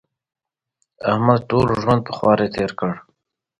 احمد ټول ژوند په خواري تېر کړ.